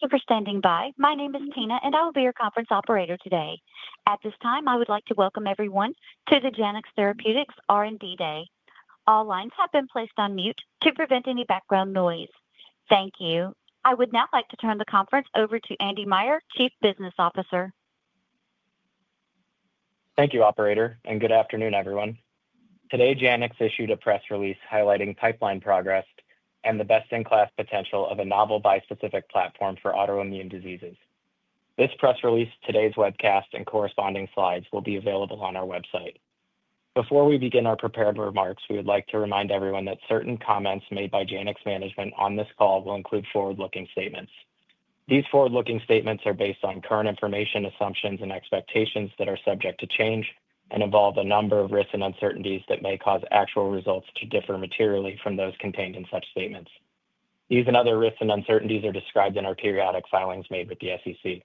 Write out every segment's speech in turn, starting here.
Thank you for standing by. My name is Tina, and I will be your conference operator today. At this time, I would like to welcome everyone to the Janux Therapeutics R&D Day. All lines have been placed on mute to prevent any background noise. Thank you. I would now like to turn the conference over to Andy Meyer, Chief Business Officer. Thank you, Operator, and good afternoon, everyone. Today, Janux Therapeutics issued a press release highlighting pipeline progress and the best-in-class potential of a novel bispecific platform for autoimmune diseases. This press release, today's webcast, and corresponding slides will be available on our website. Before we begin our prepared remarks, we would like to remind everyone that certain comments made by Janux management on this call will include forward-looking statements. These forward-looking statements are based on current information, assumptions, and expectations that are subject to change and involve a number of risks and uncertainties that may cause actual results to differ materially from those contained in such statements. These and other risks and uncertainties are described in our periodic filings made with the SEC.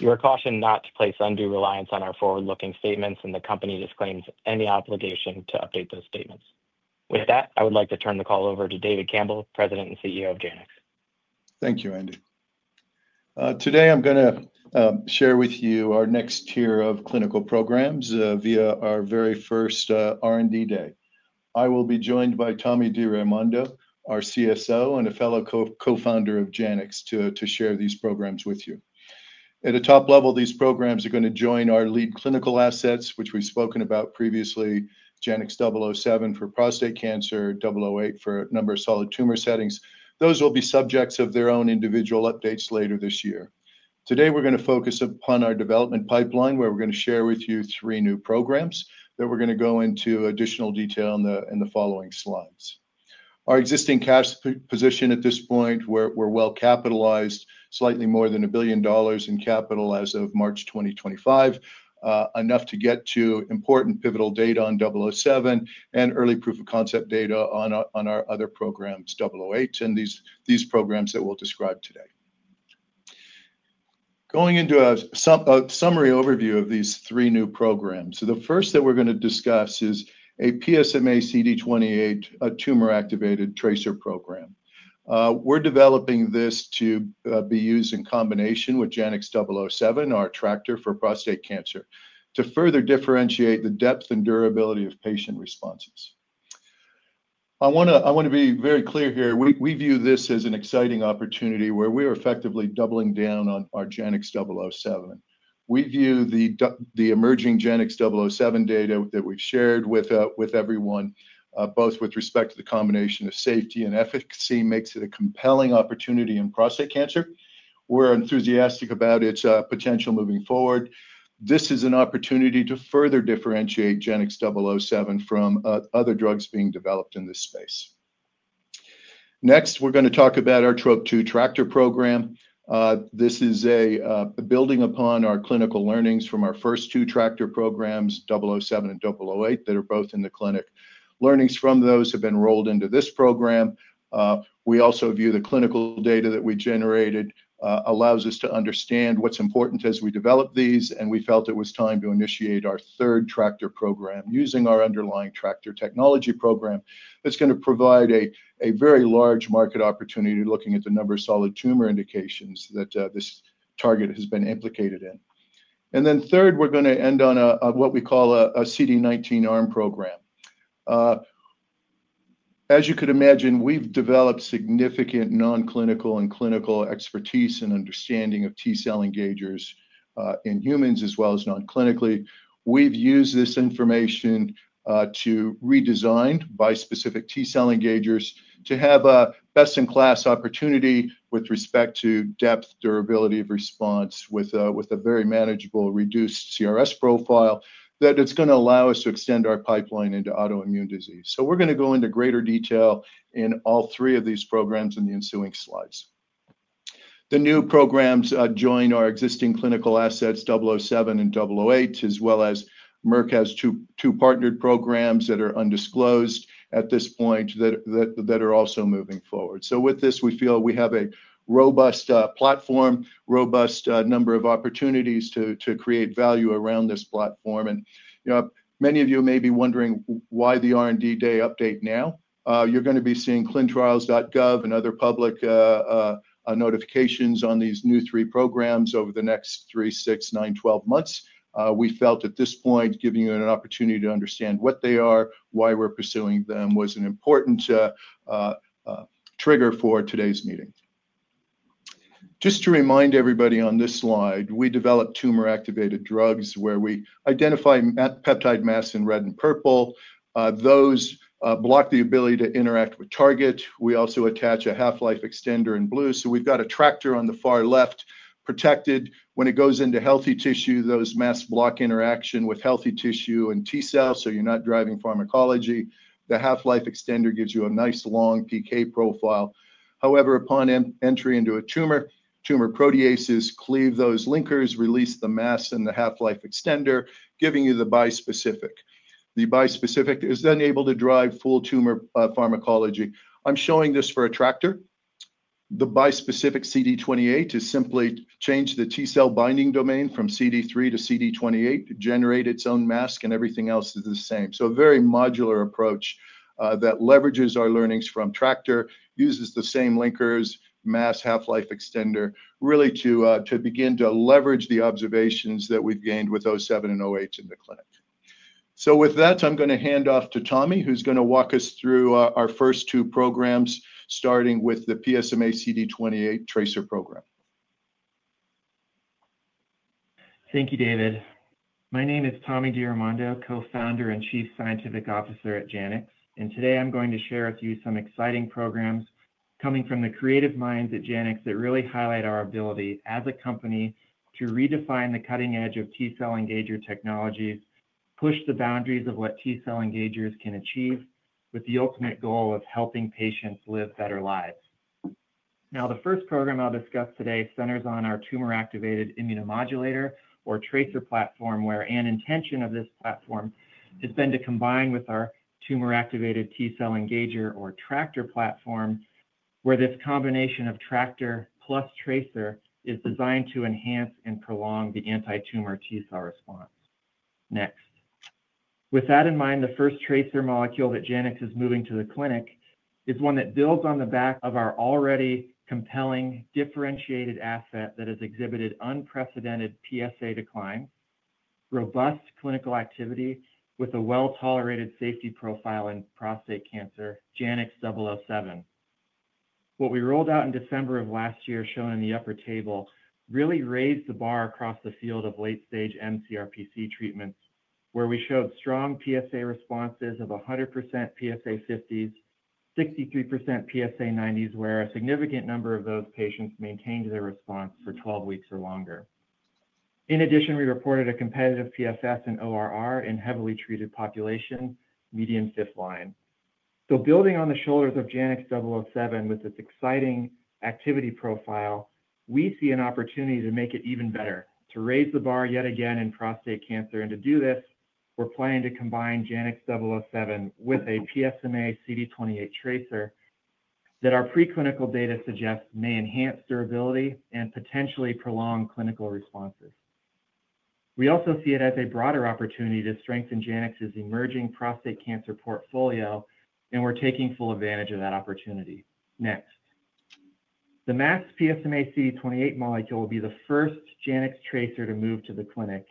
You are cautioned not to place undue reliance on our forward-looking statements, and the company disclaims any obligation to update those statements. With that, I would like to turn the call over to David Campbell, President and CEO of Janux Therapeutics. Thank you, Andy. Today, I'm going to share with you our next tier of clinical programs via our very first R&D Day. I will be joined by Tommy DiRaimondo, our Chief Scientific Officer and a fellow co-founder of Janux Therapeutics, to share these programs with you. At a top level, these programs are going to join our lead clinical assets, which we've spoken about previously: JANX007 for prostate cancer, JANX008 for a number of solid tumor settings. Those will be subjects of their own individual updates later this year. Today, we're going to focus upon our development pipeline, where we're going to share with you three new programs that we're going to go into additional detail in the following slides. Our existing cash position at this point, we're well capitalized, slightly more than $1 billion in capital as of March 2025, enough to get to important pivotal data on JANX007 and early proof-of-concept data on our other programs, JANX008 and these programs that we'll describe today. Going into a summary overview of these three new programs, the first that we're going to discuss is a PSMA CD28 tumor-activated TRACTr program. We're developing this to be used in combination with JANX007, our TRACTr for prostate cancer, to further differentiate the depth and durability of patient responses. I want to be very clear here. We view this as an exciting opportunity where we are effectively doubling down on our JANX007. We view the emerging JANX007 data that we've shared with everyone, both with respect to the combination of safety and efficacy, makes it a compelling opportunity in prostate cancer. We're enthusiastic about its potential moving forward. This is an opportunity to further differentiate JANX007 from other drugs being developed in this space. Next, we're going to talk about our TROP2-targeted TRACTr program. This is building upon our clinical learnings from our first two TRACTr programs, JANX007 and JANX008, that are both in the clinic. Learnings from those have been rolled into this program. We also view the clinical data that we generated allows us to understand what's important as we develop these, and we felt it was time to initiate our third TRACTr program using our underlying TRACTr technology program that's going to provide a very large market opportunity looking at the number of solid tumor indications that this target has been implicated in. Third, we're going to end on what we call a CD19 ARM program. As you could imagine, we've developed significant non-clinical and clinical expertise and understanding of T cell engagers in humans as well as non-clinically. We've used this information to redesign bispecific T cell engagers to have a best-in-class opportunity with respect to depth, durability of response with a very manageable reduced CRS profile that is going to allow us to extend our pipeline into autoimmune disease. We are going to go into greater detail in all three of these programs in the ensuing slides. The new programs join our existing clinical assets, JANX007 and JANX008, as well as Merck has two partnered programs that are undisclosed at this point that are also moving forward. With this, we feel we have a robust platform, robust number of opportunities to create value around this platform. Many of you may be wondering why the R&D Day update now. You are going to be seeing clinicaltrials.gov and other public notifications on these new three programs over the next 3, 6, 9, 12 months. We felt at this point, giving you an opportunity to understand what they are, why we're pursuing them was an important trigger for today's meeting. Just to remind everybody on this slide, we developed tumor-activated drugs where we identify peptide masks in red and purple. Those block the ability to interact with targets. We also attach a half-life extender in blue. We have a TRACTr on the far left, protected. When it goes into healthy tissue, those masks block interaction with healthy tissue and T cells, so you're not driving pharmacology. The half-life extender gives you a nice long PK profile. However, upon entry into a tumor, tumor proteases cleave those linkers, release the masks and the half-life extender, giving you the bispecific. The bispecific is then able to drive full tumor pharmacology. I'm showing this for a TRACTr. The bispecific CD28 has simply changed the T cell binding domain from CD3 to CD28, generates its own mask, and everything else is the same. A very modular approach that leverages our learnings from TRACTr, uses the same linkers, masks, half-life extender, really to begin to leverage the observations that we've gained with JANX007 and JANX008 in the clinic. With that, I'm going to hand off to Tommy, who's going to walk us through our first two programs, starting with the PSMA CD28 TRACIr program. Thank you, David. My name is Tommy DiRaimondo, Co-Founder and Chief Scientific Officer at Janux Therapeutics. Today, I'm going to share with you some exciting programs coming from the creative minds at Janux that really highlight our ability as a company to redefine the cutting edge of T cell engager technologies, push the boundaries of what T cell engagers can achieve, with the ultimate goal of helping patients live better lives. The first program I'll discuss today centers on our tumor-activated immunomodulator, or TRACIr platform, where an intention of this platform has been to combine with our tumor-activated T cell engager, or TRACTr platform. This combination of TRACTr plus TRACIr is designed to enhance and prolong the anti-tumor T cell response. Next, with that in mind, the first TRACIr molecule that Janux is moving to the clinic is one that builds on the back of our already compelling, differentiated asset that has exhibited unprecedented PSA decline, robust clinical activity with a well-tolerated safety profile in prostate cancer, JANX007. What we rolled out in December of last year, shown in the upper table, really raised the bar across the field of late-stage mCRPC treatments. We showed strong PSA responses of 100% PSA50s, 63% PSA90s, where a significant number of those patients maintained their response for 12 weeks or longer. In addition, we reported a competitive PFS and ORR in heavily treated populations, median fifth line. Building on the shoulders of JANX007 with its exciting activity profile, we see an opportunity to make it even better, to raise the bar yet again in prostate cancer. To do this, we're planning to combine JANX007 with a PSMA CD28 tumor-activated TRACIr that our preclinical data suggests may enhance durability and potentially prolong clinical responses. We also see it as a broader opportunity to strengthen Janux's emerging prostate cancer portfolio, and we're taking full advantage of that opportunity. The masked PSMA CD28 molecule will be the first Janux TRACIr to move to the clinic.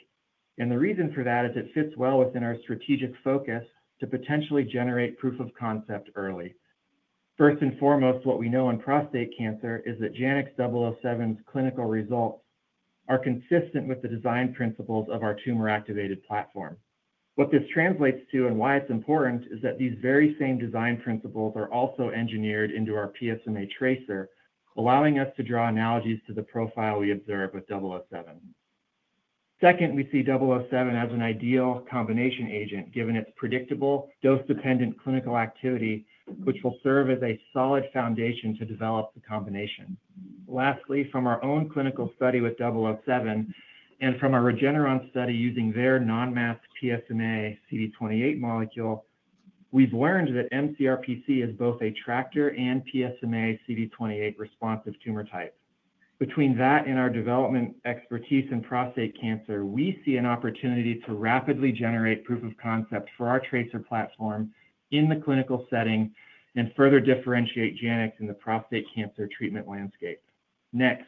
The reason for that is it fits well within our strategic focus to potentially generate proof-of-concept early. First and foremost, what we know on prostate cancer is that JANX007's clinical results are consistent with the design principles of our tumor-activated platform. What this translates to and why it's important is that these very same design principles are also engineered into our PSMA tracer, allowing us to draw analogies to the profile we observe with 007. Second, we see 007 as an ideal combination agent, given its predictable, dose-dependent clinical activity, which will serve as a solid foundation to develop the combination. Lastly, from our own clinical study with 007 and from our Regeneron study using their non-masked PSMA CD28 molecule, we've learned that mCRPC is both a TRACTr and PSMA CD28 responsive tumor type. Between that and our development expertise in prostate cancer, we see an opportunity to rapidly generate proof of concept for our tracer platform in the clinical setting and further differentiate Janux in the prostate cancer treatment landscape. Next,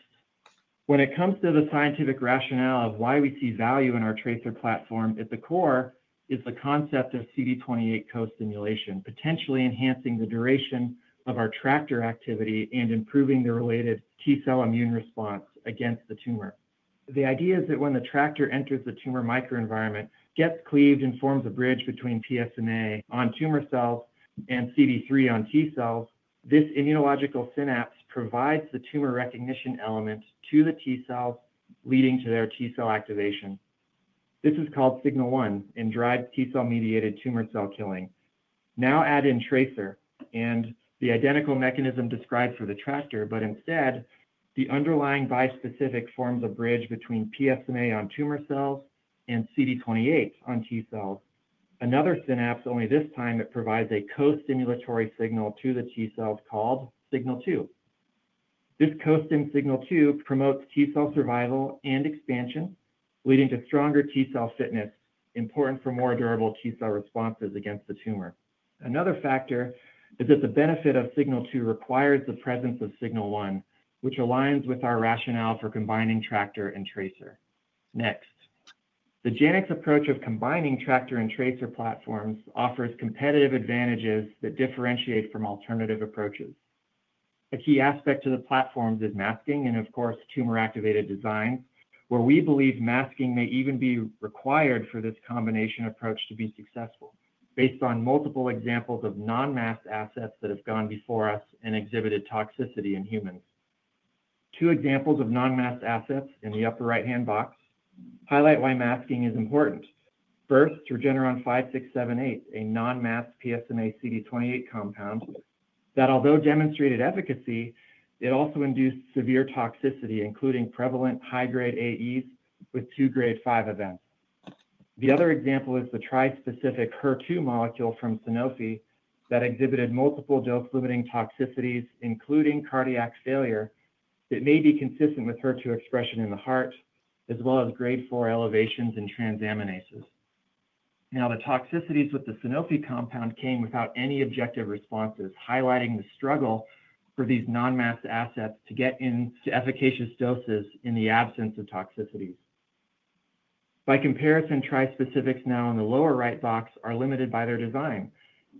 when it comes to the scientific rationale of why we see value in our tracer platform, at the core is the concept of CD28 co-stimulation, potentially enhancing the duration of our TRACTr activity and improving the related T cell immune response against the tumor. The idea is that when the TRACTr enters the tumor microenvironment, gets cleaved and forms a bridge between PSMA on tumor cells and CD3 on T cells, this immunological synapse provides the tumor recognition element to the T cell, leading to their T cell activation. This is called signal one and drives T cell-mediated tumor cell killing. Now add in tracer and the identical mechanism described for the TRACTr, but instead, the underlying bispecific forms a bridge between PSMA on tumor cells and CD28 on T cells. Another synapse, only this time it provides a co-stimulatory signal to the T cells called signal two. This co-stim signal two promotes T cell survival and expansion, leading to stronger T cell fitness, important for more durable T cell responses against the tumor. Another factor is that the benefit of signal two requires the presence of signal one, which aligns with our rationale for combining TRACTr and tracer. Next, the Janux approach of combining TRACTr and tracer platforms offers competitive advantages that differentiate from alternative approaches. A key aspect to the platforms is masking and, of course, tumor-activated designs, where we believe masking may even be required for this combination approach to be successful, based on multiple examples of non-masked assets that have gone before us and exhibited toxicity in humans. Two examples of non-masked assets in the upper right-hand box highlight why masking is important. First, Regeneron 5678, a non-masked PSMA CD28 compound that, although demonstrated efficacy, also induced severe toxicity, including prevalent high-grade AEs with two grade 5 events. The other example is the trispecific HER2 molecule from Sanofi that exhibited multiple dose-limiting toxicities, including cardiac failure that may be consistent with HER2 expression in the heart, as well as grade 4 elevations in transaminases. The toxicities with the Sanofi compound came without any objective responses, highlighting the struggle for these non-masked assets to get into efficacious doses in the absence of toxicity. By comparison, trispecifics now in the lower right box are limited by their design.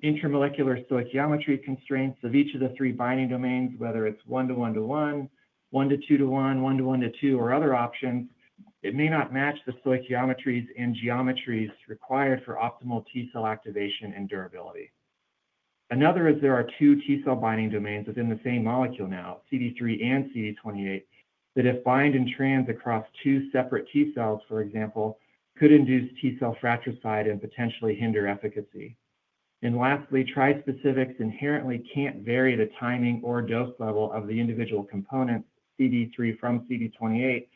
Intermolecular stoichiometry constraints of each of the three binding domains, whether it's one to one to one, one to two to one, one to one to two, or other options, may not match the stoichiometries and geometries required for optimal T cell activation and durability. Another is there are two T cell binding domains within the same molecule now, CD3 and CD28, that if bind in trans across two separate T cells, for example, could induce T cell fragility and potentially hinder efficacy. Lastly, trispecifics inherently can't vary the timing or dose level of the individual components, CD3 from CD28,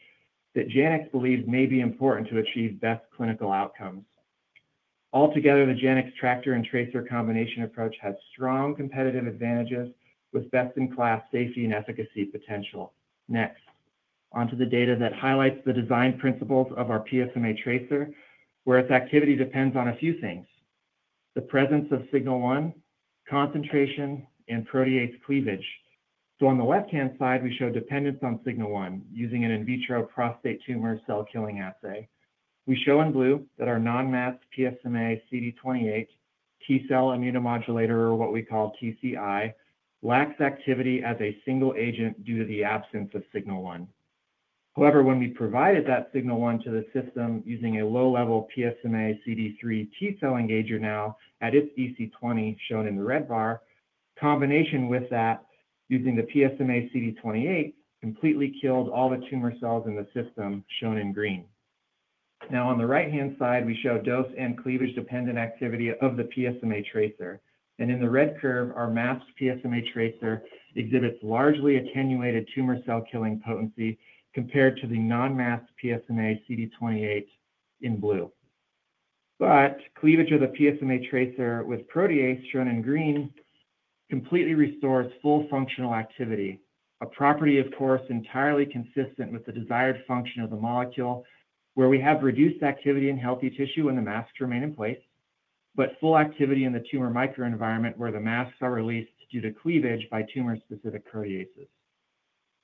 that Janux believes may be important to achieve best clinical outcomes. Altogether, the Janux TRACTr and TRACIr combination approach has strong competitive advantages with best-in-class safety and efficacy potential. Next, onto the data that highlights the design principles of our PSMA TRACIr, where its activity depends on a few things: the presence of signal one, concentration, and protease cleavage. On the left-hand side, we show dependence on signal one using an in vitro prostate tumor cell killing assay. We show in blue that our non-masked PSMA CD28 T cell immunomodulator, or what we call TCI, lacks activity as a single agent due to the absence of signal one. However, when we provided that signal one to the system using a low-level PSMA CD3 T cell engager now at its EC20, shown in the red bar, combination with that using the PSMA CD28 completely killed all the tumor cells in the system, shown in green. On the right-hand side, we show dose and cleavage-dependent activity of the PSMA TRACIr. In the red curve, our masked PSMA tracer exhibits largely attenuated tumor cell killing potency compared to the non-masked PSMA CD28 in blue. Cleavage of the PSMA tracer with protease, shown in green, completely restores full functional activity, a property entirely consistent with the desired function of the molecule, where we have reduced activity in healthy tissue when the masks remain in place, but full activity in the tumor microenvironment where the masks are released due to cleavage by tumor-specific proteases.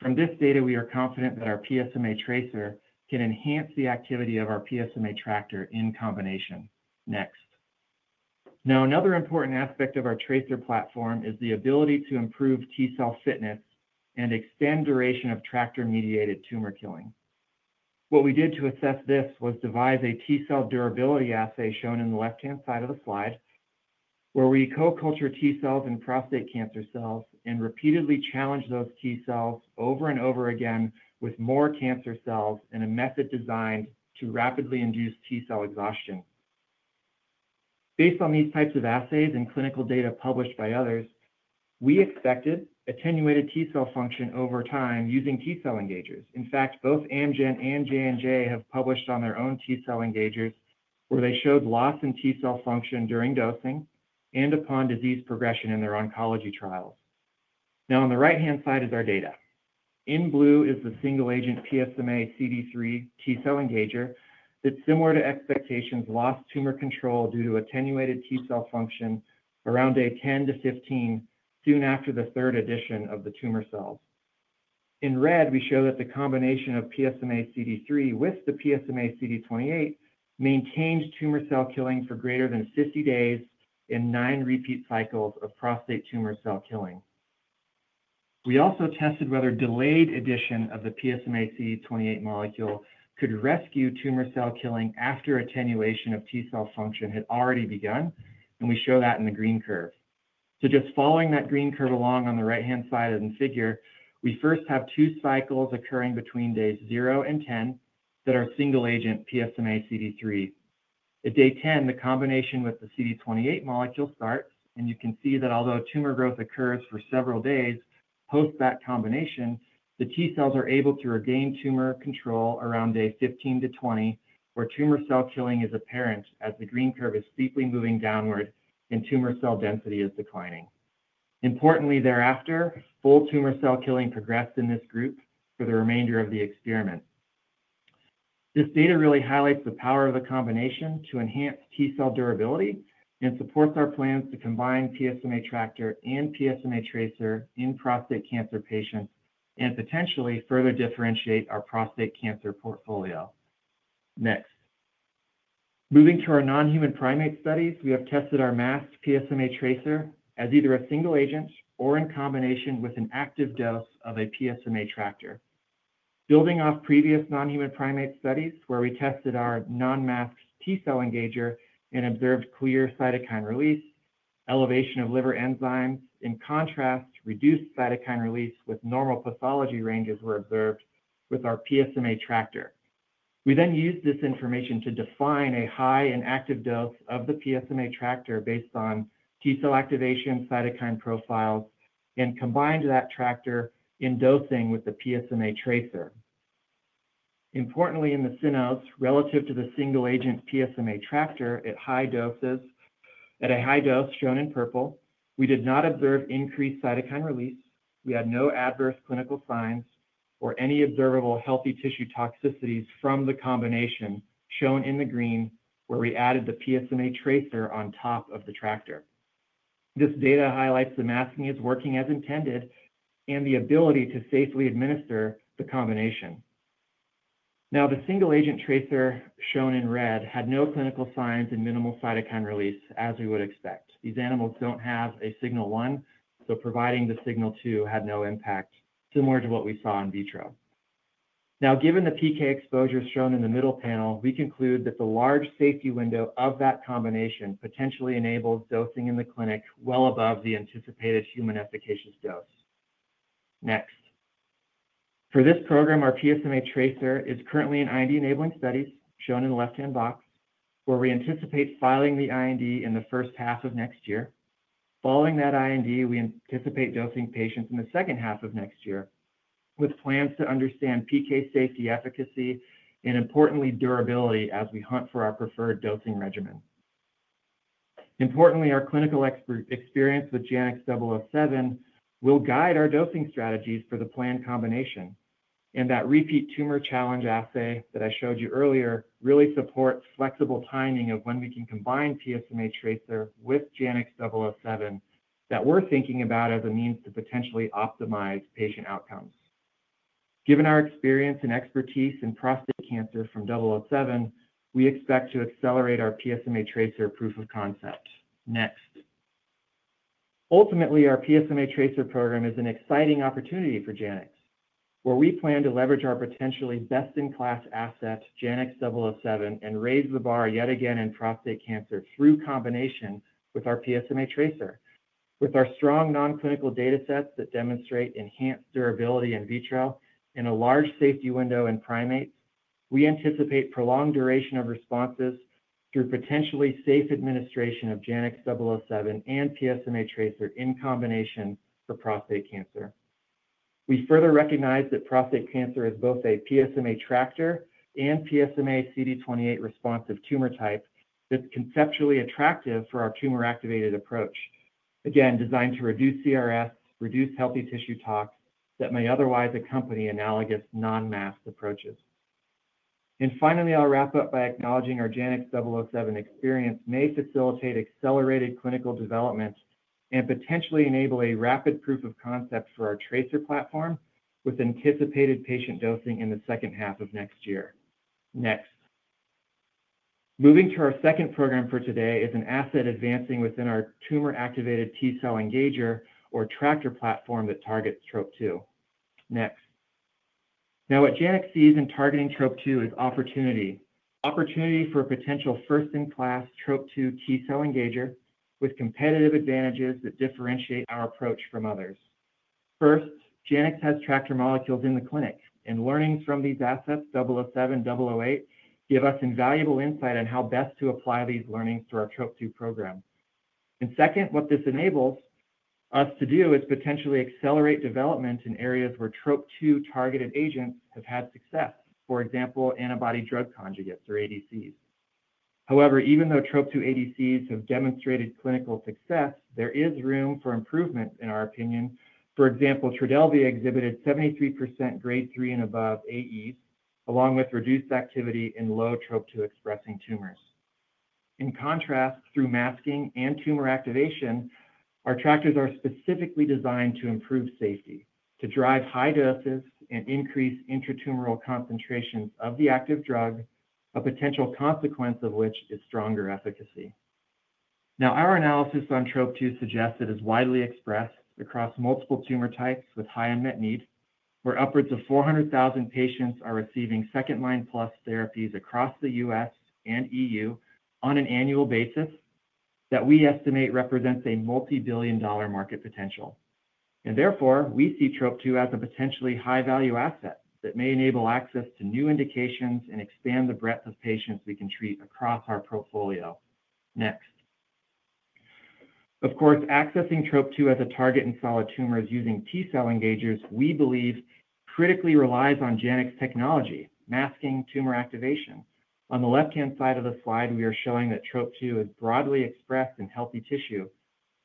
From this data, we are confident that our PSMA tracer can enhance the activity of our PSMA TRACTr in combination. Next, another important aspect of our tracer platform is the ability to improve T cell fitness and extend duration of TRACTr-mediated tumor killing. What we did to assess this was devise a T cell durability assay, shown on the left-hand side of the slide, where we co-culture T cells and prostate cancer cells and repeatedly challenge those T cells over and over again with more cancer cells in a method designed to rapidly induce T cell exhaustion. Based on these types of assays and clinical data published by others, we expected attenuated T cell function over time using T cell engagers. In fact, both Amgen and J&J have published on their own T cell engagers where they showed loss in T cell function during dosing and upon disease progression in their oncology trials. On the right-hand side is our data. In blue is the single-agent PSMA CD3 T cell engager that, similar to expectations, lost tumor control due to attenuated T cell function around day 10 to 15, soon after the third addition of the tumor cells. In red, we show that the combination of PSMA CD3 with the PSMA CD28 maintained tumor cell killing for greater than 50 days in nine repeat cycles of prostate tumor cell killing. We also tested whether delayed addition of the PSMA CD28 molecule could rescue tumor cell killing after attenuation of T cell function had already begun, and we show that in the green curve. Following that green curve along on the right-hand side of the figure, we first have two cycles occurring between days 0 and 10 that are single-agent PSMA CD3. At day 10, the combination with the CD28 molecule starts, and you can see that although tumor growth occurs for several days post that combination, the T cells are able to regain tumor control around day 15 to 20, where tumor cell killing is apparent as the green curve is steeply moving downward and tumor cell density is declining. Importantly, thereafter, full tumor cell killing progressed in this group for the remainder of the experiment. This data really highlights the power of the combination to enhance T cell durability and supports our plans to combine PSMA TRACTr and PSMA CD28 tumor-activated tracer in prostate cancer patients and potentially further differentiate our prostate cancer portfolio. Next, moving to our non-human primate studies, we have tested our masked PSMA CD28 tumor-activated tracer as either a single agent or in combination with an active dose of a PSMA TRACTr. Building off previous non-human primate studies where we tested our non-masked T cell engager and observed clear cytokine release, elevation of liver enzymes, and contrast reduced cytokine release with normal pathology ranges were observed with our PSMA TRACTr. We then used this information to define a high and active dose of the PSMA TRACTr based on T cell activation, cytokine profiles, and combined that TRACTr in dosing with the PSMA CD28 tumor-activated tracer. Importantly, in the synapse relative to the single agent PSMA TRACTr at high doses, at a high dose, shown in purple, we did not observe increased cytokine release. We had no adverse clinical signs or any observable healthy tissue toxicities from the combination, shown in the green, where we added the PSMA CD28 tumor-activated tracer on top of the TRACTr. This data highlights the masking is working as intended and the ability to safely administer the combination. Now, the single agent tracer, shown in red, had no clinical signs and minimal cytokine release, as we would expect. These animals don't have a signal one, so providing the signal two had no impact, similar to what we saw in vitro. Now, given the PK exposures shown in the middle panel, we conclude that the large safety window of that combination potentially enables dosing in the clinic well above the anticipated human efficacious dose. Next, for this program, our PSMA CD28 tumor-activated tracer is currently in IND-enabling studies, shown in the left-hand box, where we anticipate filing the IND in the first half of next year. Following that IND, we anticipate dosing patients in the second half of next year, with plans to understand PK, safety, efficacy, and importantly, durability as we hunt for our preferred dosing regimen. Importantly, our clinical experience with JANX007 will guide our dosing strategies for the planned combination. That repeat tumor challenge assay that I showed you earlier really supports flexible timing of when we can combine PSMA tracer with JANX007 that we're thinking about as a means to potentially optimize patient outcomes. Given our experience and expertise in prostate cancer from JANX007, we expect to accelerate our PSMA tracer proof of concept. Ultimately, our PSMA tracer program is an exciting opportunity for Janux Therapeutics, where we plan to leverage our potentially best-in-class asset, JANX007, and raise the bar yet again in prostate cancer through combination with our PSMA tracer. With our strong non-clinical data sets that demonstrate enhanced durability in vitro and a large safety window in primates, we anticipate prolonged duration of responses through potentially safe administration of JANX007 and PSMA tracer in combination for prostate cancer. We further recognize that prostate cancer is both a PSMA tracer and PSMA CD28 responsive tumor type that's conceptually attractive for our tumor-activated approach, designed to reduce CRS, reduce healthy tissue talk that may otherwise accompany analogous non-masked approaches. Finally, I'll wrap up by acknowledging our JANX007 experience may facilitate accelerated clinical development and potentially enable a rapid proof of concept for our tracer platform with anticipated patient dosing in the second half of next year. Next, moving to our second program for today is an asset advancing within our tumor-activated T cell engager or TRACTr platform that targets TROP2. What Janux Therapeutics sees in targeting TROP2 is opportunity, opportunity for a potential first-in-class TROP2 T cell engager with competitive advantages that differentiate our approach from others. First, Janux Therapeutics has TRACTr molecules in the clinic, and learnings from these assets, JANX007 and JANX008, give us invaluable insight on how best to apply these learnings to our TROP2 program. Second, what this enables us to do is potentially accelerate development in areas where TROP2 targeted agents have had success, for example, antibody-drug conjugates or ADCs. However, even though TROP2 ADCs have demonstrated clinical success, there is room for improvement, in our opinion. For example, Trodelvy exhibited 73% grade three and above AEs, along with reduced activity in low TROP2 expressing tumors. In contrast, through masking and tumor activation, our TRACTrs are specifically designed to improve safety, to drive high doses and increase intratumoral concentrations of the active drug, a potential consequence of which is stronger efficacy. Our analysis on TROP2 suggests it is widely expressed across multiple tumor types with high unmet need, where upwards of 400,000 patients are receiving second-line plus therapies across the U.S. and EU on an annual basis that we estimate represents a multi-billion dollar market potential. Therefore, we see TROP2 as a potentially high-value asset that may enable access to new indications and expand the breadth of patients we can treat across our portfolio. Next, accessing TROP2 as a target in solid tumors using T cell engagers, we believe, critically relies on Janux technology, masking tumor activation. On the left-hand side of the slide, we are showing that TROP2 is broadly expressed in healthy tissue,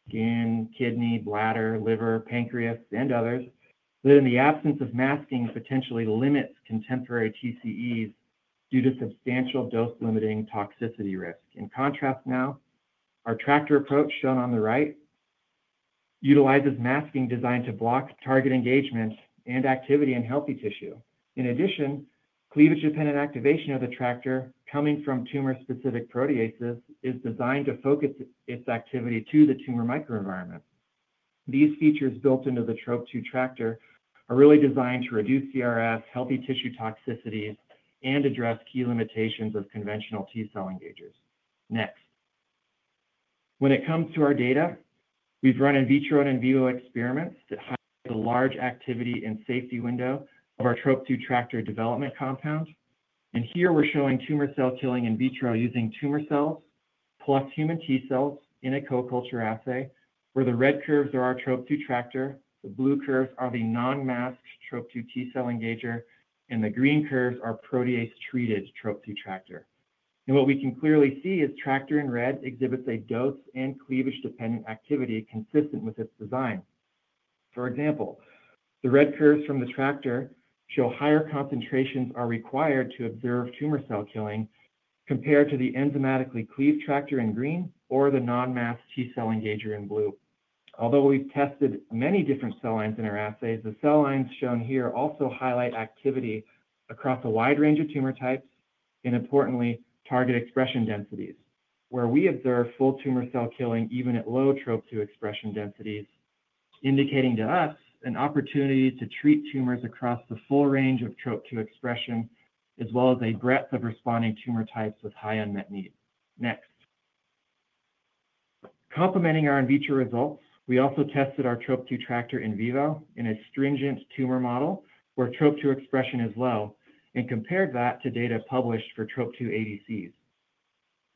again, kidney, bladder, liver, pancreas, and others, that in the absence of masking potentially limits contemporary TCEs due to substantial dose-limiting toxicity risk. In contrast, our TRACTr approach, shown on the right, utilizes masking designed to block target engagement and activity in healthy tissue. In addition, cleavage-dependent activation of the TRACTr coming from tumor-specific proteases is designed to focus its activity to the tumor microenvironment. These features built into the TROP2 TRACTr are really designed to reduce CRS, healthy tissue toxicities, and address key limitations of conventional T cell engagers. When it comes to our data, we've run in vitro and in vivo experiments that highlight a large activity and safety window of our TROP2 TRACTr development compound. Here, we're showing tumor cell killing in vitro using tumor cells plus human T cells in a co-culture assay, where the red curves are our TROP2 TRACTr, the blue curves are the non-masked TROP2 T cell engager, and the green curves are protease-treated TROP2 TRACTr. What we can clearly see is TRACTr in red exhibits a dose and cleavage-dependent activity consistent with its design. For example, the red curves from the TRACTr show higher concentrations are required to observe tumor cell killing compared to the enzymatically cleaved TRACTr in green or the non-masked T cell engager in blue. Although we've tested many different cell lines in our assays, the cell lines shown here also highlight activity across a wide range of tumor types and, importantly, target expression densities, where we observe full tumor cell killing even at low TROP2 expression densities, indicating to us an opportunity to treat tumors across the full range of TROP2 expression, as well as a breadth of responding tumor types with high unmet needs. Next, complementing our in vitro results, we also tested our TROP2-targeted TRACTr in vivo in a stringent tumor model where TROP2 expression is low and compared that to data published for TROP2 ADCs.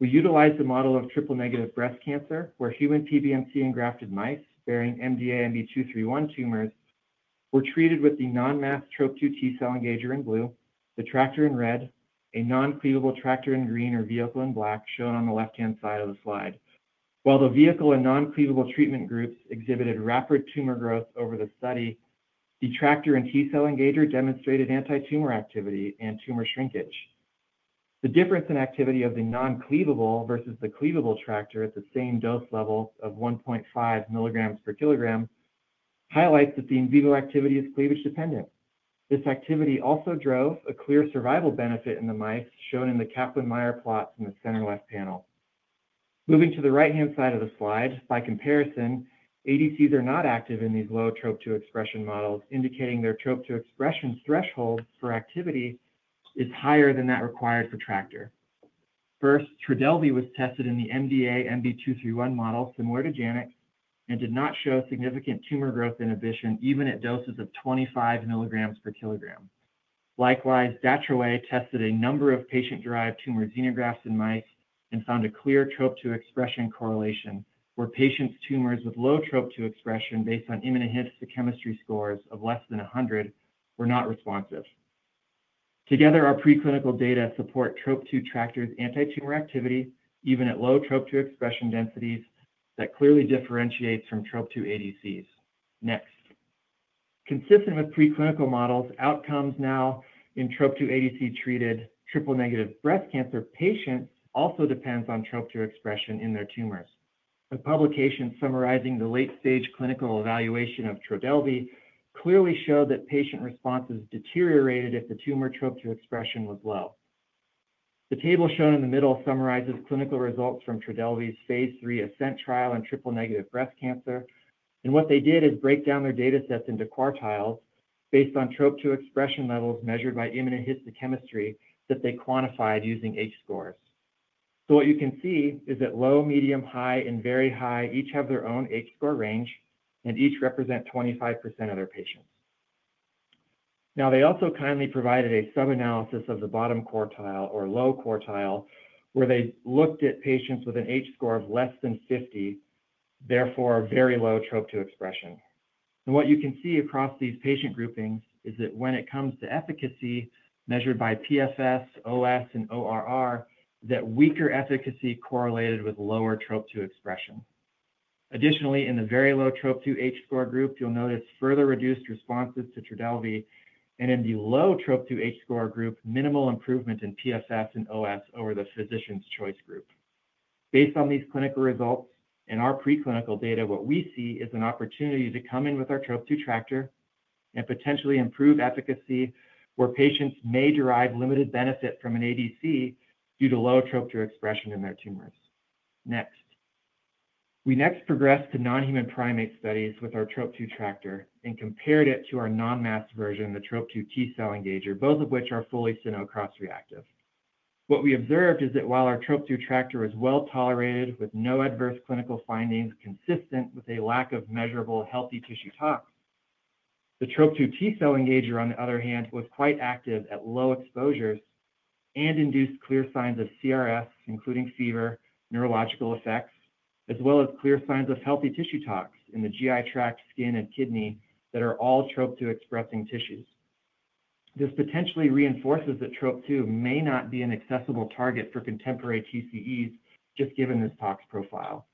We utilized the model of triple-negative breast cancer, where human PBMC and grafted mice bearing MDA-MB-231 tumors were treated with the non-masked TROP2 T cell engager in blue, the TRACTr in red, a non-cleavable TRACTr in green, or vehicle in black, shown on the left-hand side of the slide. While the vehicle and non-cleavable treatment groups exhibited rapid tumor growth over the study, the TRACTr and T cell engager demonstrated anti-tumor activity and tumor shrinkage. The difference in activity of the non-cleavable versus the cleavable TRACTr at the same dose level of 1.5 mg per kg highlights that the in vivo activity is cleavage dependent. This activity also drove a clear survival benefit in the mice, shown in the Kaplan-Meier plots in the center-left panel. Moving to the right-hand side of the slide, by comparison, ADCs are not active in these low TROP2 expression models, indicating their TROP2 expression threshold for activity is higher than that required for TRACTr. First, Trodelvy was tested in the MDA-MB-231 model, similar to Janux, and did not show significant tumor growth inhibition even at doses of 25 mg per kg. Likewise, Datraway tested a number of patient-derived tumor xenografts in mice and found a clear TROP2 expression correlation, where patients' tumors with low TROP2 expression, based on immunohistochemistry scores of less than 100, were not responsive. Together, our preclinical data support TROP2-targeted TRACTrs' anti-tumor activity even at low TROP2 expression densities that clearly differentiates from TROP2 ADCs. Next, consistent with preclinical models, outcomes now in TROP2 ADC-treated triple-negative breast cancer patients also depend on TROP2 expression in their tumors. A publication summarizing the late-stage clinical evaluation of Trodelvy clearly showed that patient responses deteriorated if the tumor TROP2 expression was low. The table shown in the middle summarizes clinical results from Trodelvy's phase three ASCENT trial in triple-negative breast cancer. What they did is break down their data sets into quartiles based on TROP2 expression levels measured by immunohistochemistry that they quantified using H-scores. What you can see is that low, medium, high, and very high each have their own H-score range and each represent 25% of their patients. They also kindly provided a sub-analysis of the bottom quartile or low quartile, where they looked at patients with an H-score of less than 50, therefore very low TROP2 expression. What you can see across these patient groupings is that when it comes to efficacy measured by PFS, OS, and ORR, weaker efficacy correlated with lower TROP2 expression. Additionally, in the very low TROP2 H-score group, you'll notice further reduced responses to Trodelvy, and in the low TROP2 H-score group, minimal improvement in PFS and OS over the physician's choice group. Based on these clinical results and our preclinical data, what we see is an opportunity to come in with our TROP2-targeted TRACTr and potentially improve efficacy where patients may derive limited benefit from an ADC due to low TROP2 expression in their tumors. Next, we progressed to non-human primate studies with our TROP2-targeted TRACTr and compared it to our non-masked version, the TROP2 T cell engager, both of which are fully cyno cross-reactive. What we observed is that while our TROP2-targeted TRACTr was well tolerated with no adverse clinical findings consistent with a lack of measurable healthy tissue tox, the TROP2 T cell engager, on the other hand, was quite active at low exposures and induced clear signs of CRS, including fever, neurological effects, as well as clear signs of healthy tissue tox in the GI tract, skin, and kidney that are all TROP2-expressing tissues. This potentially reinforces that TROP2 may not be an accessible target for contemporary T cell engagers just given this tox profile.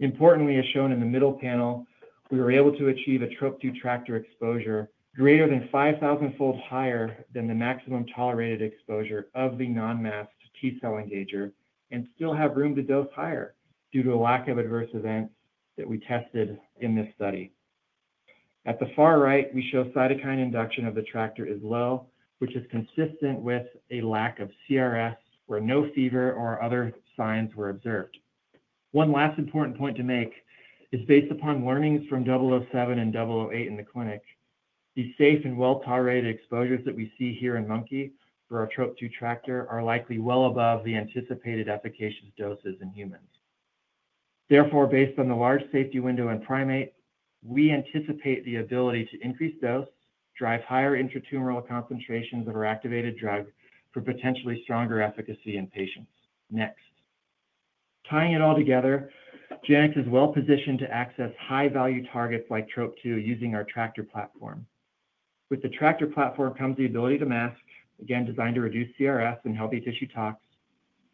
Importantly, as shown in the middle panel, we were able to achieve a TROP2 TRACTr exposure greater than 5,000-fold higher than the maximum tolerated exposure of the non-masked T cell engager and still have room to dose higher due to a lack of adverse events that we tested in this study. At the far right, we show cytokine induction of the TRACTr is low, which is consistent with a lack of CRS where no fever or other signs were observed. One last important point to make is based upon learnings from JANX007 and JANX008 in the clinic, the safe and well-tolerated exposures that we see here in monkey for our TROP2 TRACTr are likely well above the anticipated efficacious doses in humans. Therefore, based on the large safety window in primate, we anticipate the ability to increase dose, drive higher intratumoral concentrations of our activated drug for potentially stronger efficacy in patients. Next, tying it all together, Janux Therapeutics is well-positioned to access high-value targets like TROP2 using our TRACTr platform. With the TRACTr platform comes the ability to mask, again designed to reduce CRS and healthy tissue tox,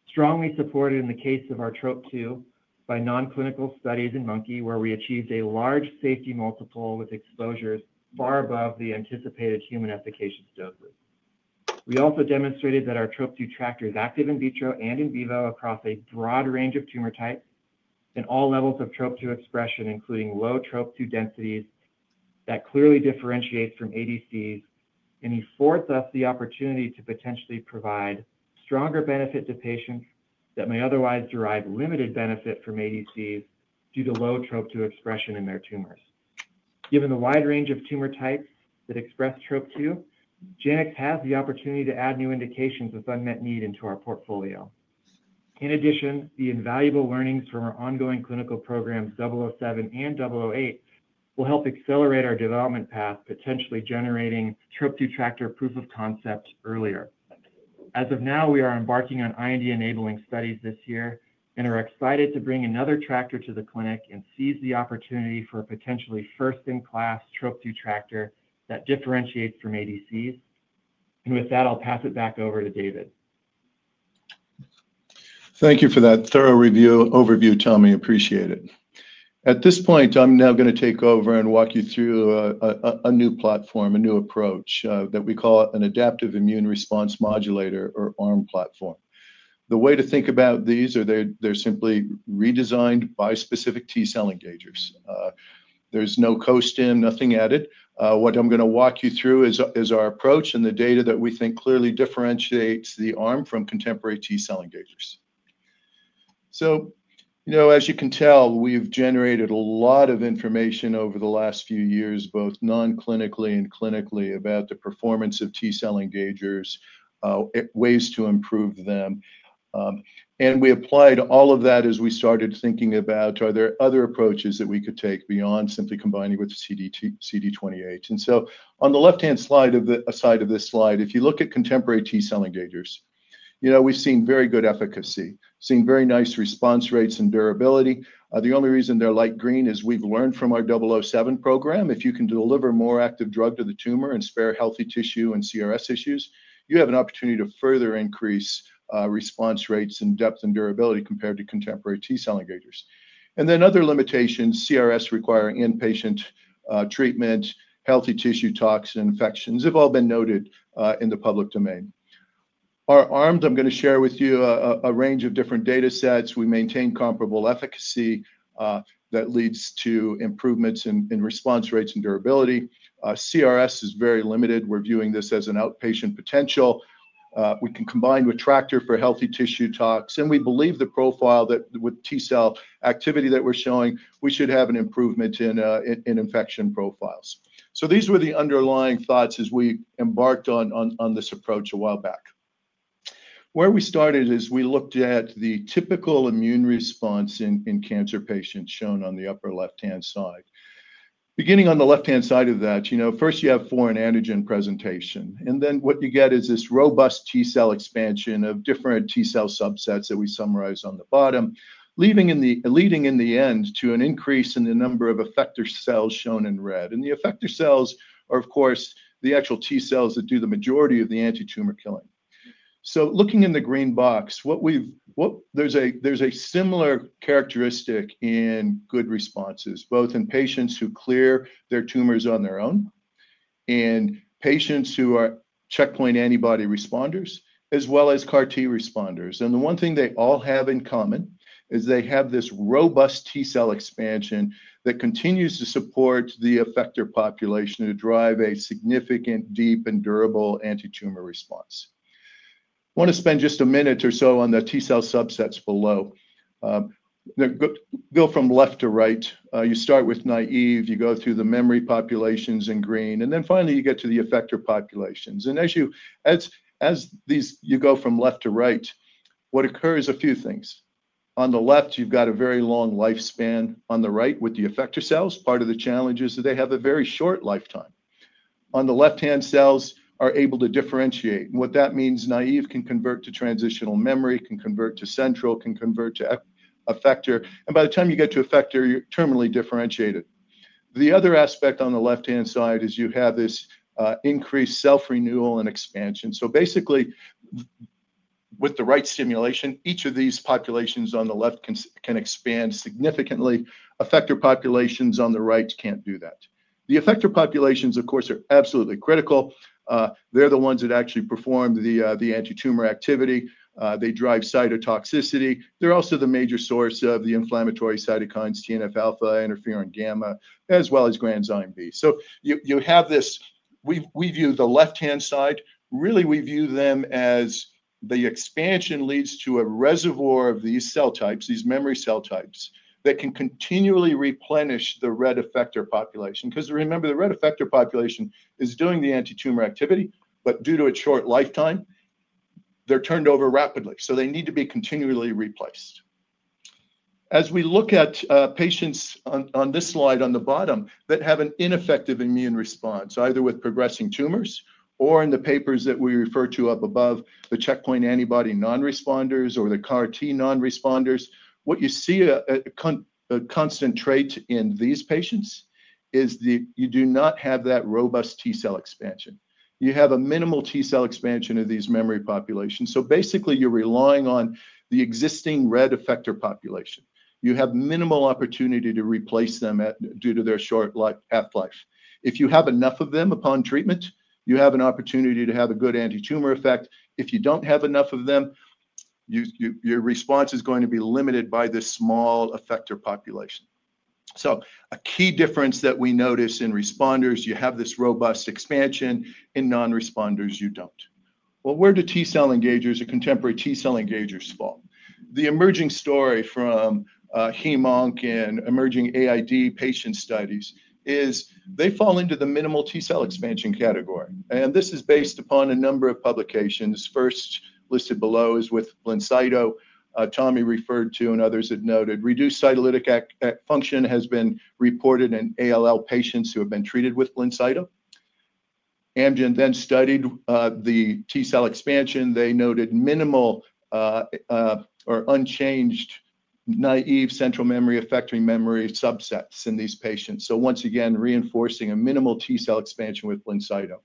strongly supported in the case of our TROP2 by non-clinical studies in monkey where we achieved a large safety multiple with exposures far above the anticipated human efficacious doses. We also demonstrated that our TROP2 TRACTr is active in vitro and in vivo across a broad range of tumor types and all levels of TROP2 expression, including low TROP2 densities that clearly differentiate from ADCs, and affords us the opportunity to potentially provide stronger benefit to patients that may otherwise derive limited benefit from ADCs due to low TROP2 expression in their tumors. Given the wide range of tumor types that express TROP2, Janux Therapeutics has the opportunity to add new indications with unmet need into our portfolio. In addition, the invaluable learnings from our ongoing clinical programs, JANX007 and JANX008, will help accelerate our development path, potentially generating TROP2 TRACTr proof-of-concept earlier. As of now, we are embarking on IND-enabling studies this year and are excited to bring another TRACTr to the clinic and seize the opportunity for a potentially first-in-class TROP2 TRACTr that differentiates from ADCs. I'll pass it back over to David. Thank you for that thorough overview, Tommy. Appreciate it. At this point, I'm now going to take over and walk you through a new platform, a new approach that we call an adaptive immune response modulator or ARM platform. The way to think about these is they're simply redesigned bispecific T cell engagers. There's no co-stim, nothing added. What I'm going to walk you through is our approach and the data that we think clearly differentiates the ARM from contemporary T cell engagers. As you can tell, we've generated a lot of information over the last few years, both non-clinically and clinically, about the performance of T cell engagers, ways to improve them. We applied all of that as we started thinking about, are there other approaches that we could take beyond simply combining with the CD28? On the left-hand side of this slide, if you look at contemporary T cell engagers, we've seen very good efficacy, seen very nice response rates and durability. The only reason they're light green is we've learned from our 007 program, if you can deliver more active drug to the tumor and spare healthy tissue and CRS issues, you have an opportunity to further increase response rates and depth and durability compared to contemporary T cell engagers. Other limitations, CRS requiring inpatient treatment, healthy tissue tox, and infections have all been noted in the public domain. Our ARMs, I'm going to share with you a range of different data sets. We maintain comparable efficacy that leads to improvements in response rates and durability. CRS is very limited. We're viewing this as an outpatient potential. We can combine with TRACTr for healthy tissue tox, and we believe the profile that with T cell activity that we're showing, we should have an improvement in infection profiles. These were the underlying thoughts as we embarked on this approach a while back. Where we started is we looked at the typical immune response in cancer patients shown on the upper left-hand side. Beginning on the left-hand side of that, first you have foreign antigen presentation, and then what you get is this robust T cell expansion of different T cell subsets that we summarize on the bottom, leading in the end to an increase in the number of effector cells shown in red. The effector cells are, of course, the actual T cells that do the majority of the anti-tumor killing. Looking in the green box, there's a similar characteristic in good responses, both in patients who clear their tumors on their own and patients who are checkpoint antibody responders, as well as CAR-T responders. The one thing they all have in common is they have this robust T cell expansion that continues to support the effector population to drive a significant, deep, and durable anti-tumor response. I want to spend just a minute or so on the T cell subsets below. Go from left to right. You start with naïve, you go through the memory populations in green, and then finally you get to the effector populations. As you go from left to right, what occurs is a few things. On the left, you've got a very long lifespan. On the right, with the effector cells, part of the challenge is that they have a very short lifetime. On the left-hand side, cells are able to differentiate. What that means, naïve can convert to transitional memory, can convert to central, can convert to effector. By the time you get to effector, you're terminally differentiated. The other aspect on the left-hand side is you have this increased self-renewal and expansion. Basically, with the right stimulation, each of these populations on the left can expand significantly. Effector populations on the right can't do that. The effector populations, of course, are absolutely critical. They're the ones that actually perform the anti-tumor activity. They drive cytotoxicity. They're also the major source of the inflammatory cytokines, TNF-alpha, interferon-gamma, as well as granzyme B. We view the left-hand side as the expansion leads to a reservoir of these cell types, these memory cell types that can continually replenish the red effector population. Remember, the red effector population is doing the anti-tumor activity, but due to its short lifetime, they're turned over rapidly. They need to be continually replaced. As we look at patients on this slide on the bottom that have an ineffective immune response, either with progressing tumors or in the papers that we refer to up above, the checkpoint antibody non-responders or the CAR-T non-responders, what you see a constant trait in these patients is that you do not have that robust T cell expansion. You have a minimal T cell expansion of these memory populations. Basically, you're relying on the existing red effector population. You have minimal opportunity to replace them due to their short half-life. If you have enough of them upon treatment, you have an opportunity to have a good anti-tumor effect. If you don't have enough of them, your response is going to be limited by this small effector population. A key difference that we notice in responders is you have this robust expansion; in non-responders, you don't. Where do T cell engagers or contemporary T cell engagers fall? The emerging story from HemOnc and emerging AID patient studies is they fall into the minimal T cell expansion category. This is based upon a number of publications. First listed below is with Blincyto, Tommy referred to and others had noted. Reduced cytolytic function has been reported in ALL patients who have been treated with Blincyto, and then studied the T cell expansion. They noted minimal or unchanged naïve central memory effector memory subsets in these patients, once again reinforcing a minimal T cell expansion with Blincyto.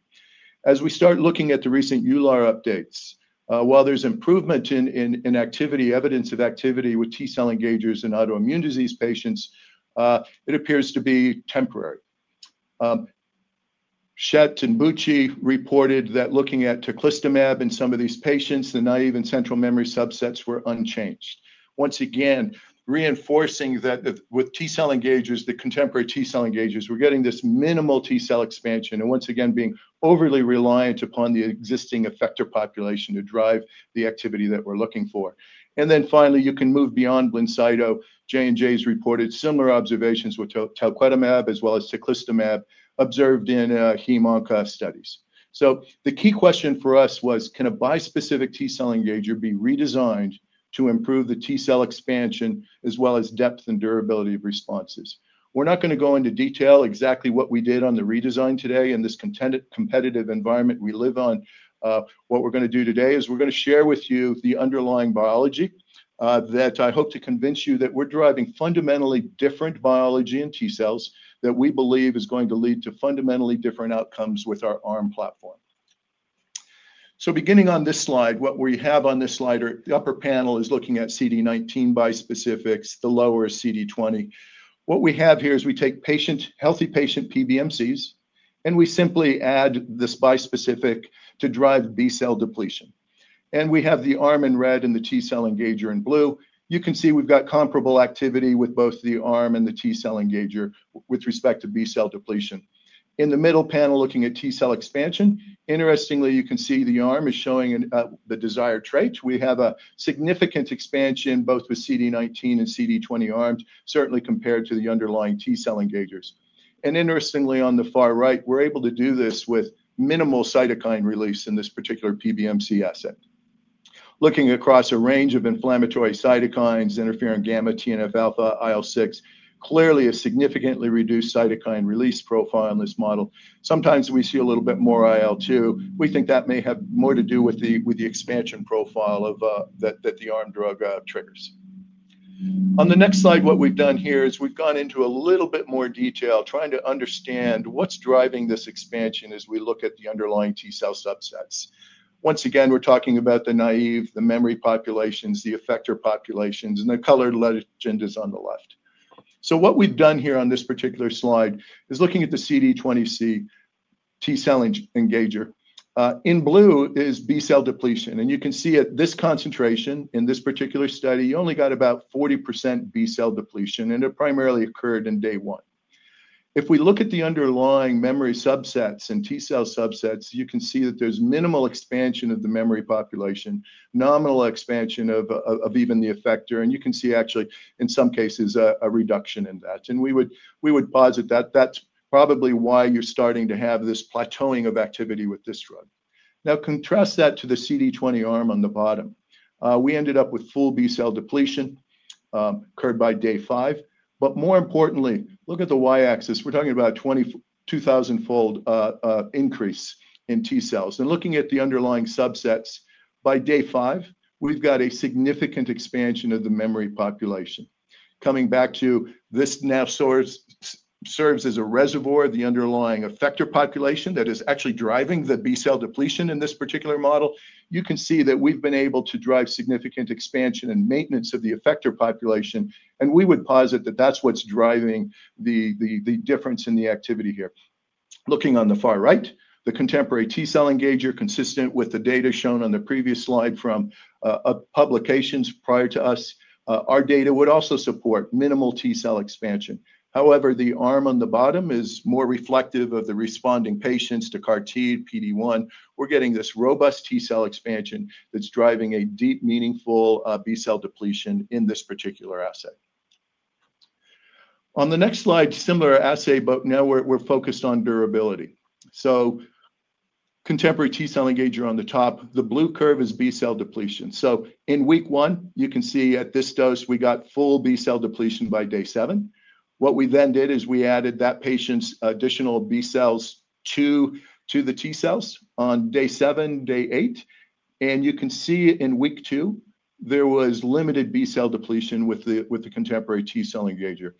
As we start looking at the recent EULAR updates, while there's improvement in activity, evidence of activity with T cell engagers in autoimmune disease patients appears to be temporary. Shet and Bucci reported that looking at Teclistamab in some of these patients, the naïve and central memory subsets were unchanged, once again reinforcing that with T cell engagers, the contemporary T cell engagers, we're getting this minimal T cell expansion and once again being overly reliant upon the existing effector population to drive the activity that we're looking for. Finally, you can move beyond Blincyto. J&J's reported similar observations with Talquetamab as well as Teclistamab observed in HemOnc studies. The key question for us was, can a bispecific T cell engager be redesigned to improve the T cell expansion as well as depth and durability of responses? We're not going to go into detail exactly what we did on the redesign today in this competitive environment we live on. What we're going to do today is share with you the underlying biology that I hope to convince you is driving fundamentally different biology in T cells that we believe is going to lead to fundamentally different outcomes with our ARM platform. Beginning on this slide, what we have on this slide, the upper panel is looking at CD19 bispecifics, the lower is CD20. What we have here is we take healthy patient PBMCs and we simply add this bispecific to drive B cell depletion. We have the ARM in red and the T cell engager in blue. You can see we've got comparable activity with both the ARM and the T cell engager with respect to B cell depletion. In the middle panel, looking at T cell expansion, interestingly, you can see the ARM is showing the desired traits. We have a significant expansion both with CD19 and CD20 ARM, certainly compared to the underlying T cell engagers. Interestingly, on the far right, we're able to do this with minimal cytokine release in this particular PBMC assay. Looking across a range of inflammatory cytokines, interferon-gamma, TNF-alpha, IL-6, clearly a significantly reduced cytokine release profile in this model. Sometimes we see a little bit more IL-2. We think that may have more to do with the expansion profile that the ARM drug triggers. On the next slide, what we've done here is we've gone into a little bit more detail trying to understand what's driving this expansion as we look at the underlying T cell subsets. Once again, we're talking about the naïve, the memory populations, the effector populations, and the colored legend is on the left. What we've done here on this particular slide is looking at the CD20 T cell engager. In blue is B cell depletion. You can see at this concentration in this particular study, you only got about 40% B cell depletion, and it primarily occurred in day one. If we look at the underlying memory subsets and T cell subsets, you can see that there's minimal expansion of the memory population, nominal expansion of even the effector. You can see actually, in some cases, a reduction in that. We would posit that that's probably why you're starting to have this plateauing of activity with this drug. Now, contrast that to the CD20 ARM on the bottom. We ended up with full B cell depletion occurred by day five. More importantly, look at the y-axis. We're talking about a 2,000-fold increase in T cells. Looking at the underlying subsets by day five, we've got a significant expansion of the memory population. Coming back to this now serves as a reservoir of the underlying effector population that is actually driving the B cell depletion in this particular model. You can see that we've been able to drive significant expansion and maintenance of the effector population. We would posit that that's what's driving the difference in the activity here. Looking on the far right, the contemporary T cell engager, consistent with the data shown on the previous slide from publications prior to us, our data would also support minimal T cell expansion. However, the ARM on the bottom is more reflective of the responding patients to CAR-T PD1. We're getting this robust T cell expansion that's driving a deep, meaningful B cell depletion in this particular assay. On the next slide, similar assay, but now we're focused on durability. The contemporary T cell engager on the top, the blue curve is B cell depletion. In week one, you can see at this dose, we got full B cell depletion by day seven. What we then did is we added that patient's additional B cells to the T cells on day seven, day eight. In week two, there was limited B cell depletion with the contemporary T cell engager.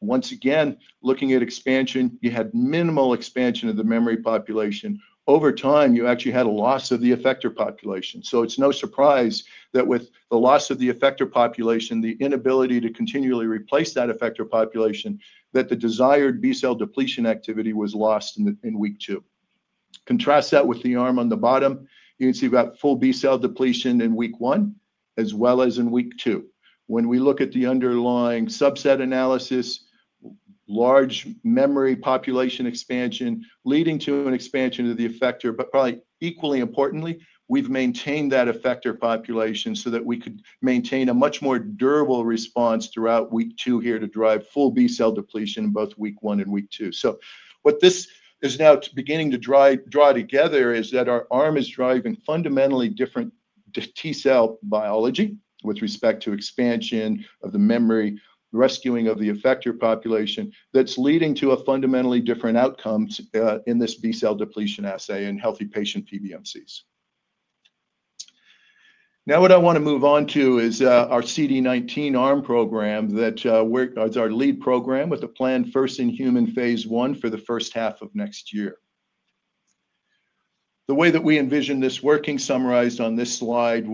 Once again, looking at expansion, you had minimal expansion of the memory population. Over time, you actually had a loss of the effector population. It's no surprise that with the loss of the effector population, the inability to continually replace that effector population, the desired B cell depletion activity was lost in week two. Contrast that with the ARM on the bottom. You can see we've got full B cell depletion in week one, as well as in week two. When we look at the underlying subset analysis, large memory population expansion leading to an expansion of the effector. Probably equally importantly, we've maintained that effector population so that we could maintain a much more durable response throughout week two here to drive full B cell depletion in both week one and week two. What this is now beginning to draw together is that our ARM is driving fundamentally different T cell biology with respect to expansion of the memory, rescuing of the effector population that's leading to a fundamentally different outcome in this B cell depletion assay in healthy patient PBMCs. What I want to move on to is our CD19 ARM program that is our lead program with a planned first in human phase one for the first half of next year. The way that we envision this working, summarized on this slide,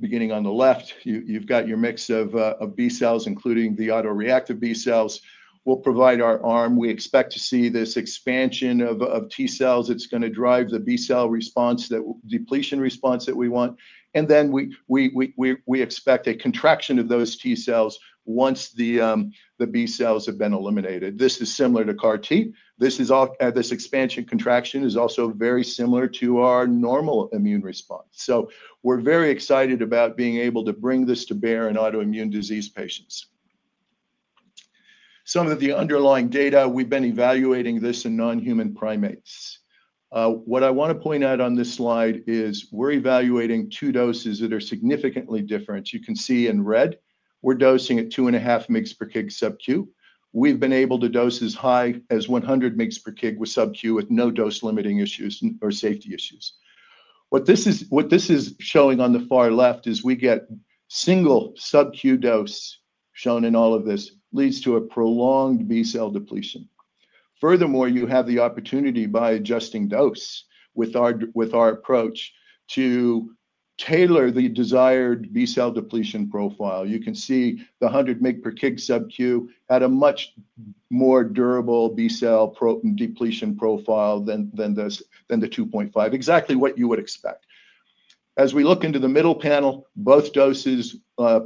beginning on the left, you've got your mix of B cells, including the autoreactive B cells. We'll provide our ARM. We expect to see this expansion of T cells. It's going to drive the B cell response, that depletion response that we want. We expect a contraction of those T cells once the B cells have been eliminated. This is similar to CAR-T. This expansion contraction is also very similar to our normal immune response. We're very excited about being able to bring this to bear in autoimmune disease patients. Some of the underlying data, we've been evaluating this in non-human primates. What I want to point out on this slide is we're evaluating two doses that are significantly different. You can see in red, we're dosing at 2.5 mg/kg. We've been able to dose as high as 100 mg/kg with subq with no dose limiting issues or safety issues. What this is showing on the far left is we get single subq dose shown in all of this leads to a prolonged B cell depletion. Furthermore, you have the opportunity by adjusting dose with our approach to tailor the desired B cell depletion profile. You can see the 100 mg/kg had a much more durable B cell depletion profile than the 2.5, exactly what you would expect. As we look into the middle panel, both doses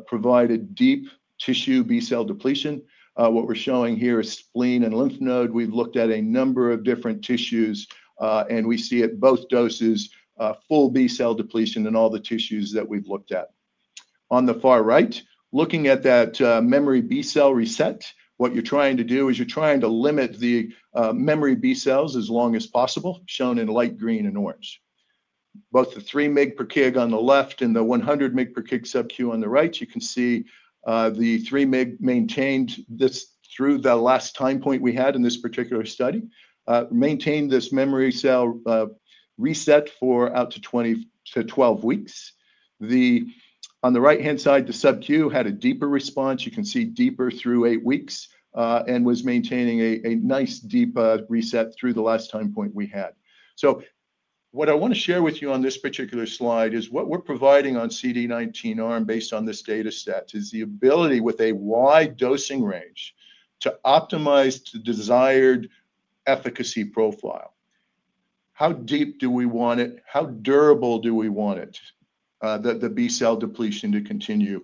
provided deep tissue B cell depletion. What we're showing here is spleen and lymph node. We've looked at a number of different tissues, and we see at both doses full B cell depletion in all the tissues that we've looked at. On the far right, looking at that memory B cell reset, what you're trying to do is you're trying to limit the memory B cells as long as possible, shown in light green and orange. Both the 3 mg/kg on the left and the 100 mg/kg on the right, you can see the 3 mg/kg maintained this through the last time point we had in this particular study, maintained this memory cell reset for out to 12 weeks. On the right-hand side, the subq had a deeper response. You can see deeper through eight weeks and was maintaining a nice deep reset through the last time point we had. What I want to share with you on this particular slide is what we're providing on CD19 ARM based on this data set is the ability with a wide dosing range to optimize the desired efficacy profile. How deep do we want it? How durable do we want it, the B cell depletion to continue?